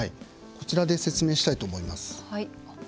こちらで説明したいと思います。